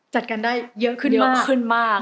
จัดการได้เยอะขึ้นมาก